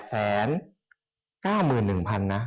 เพิ่มขึ้นหรือเปล่า